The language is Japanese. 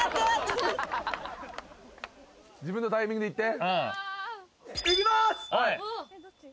自分のタイミングでいって。